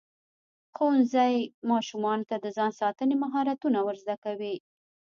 ښوونځی ماشومانو ته د ځان ساتنې مهارتونه ورزده کوي.